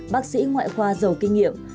bác sĩ ngoại khoa giàu kinh nghiệm